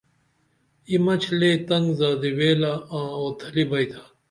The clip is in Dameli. اِی مچ لے تنگ زادی ویلہ آں اُوتھلی بیئتھا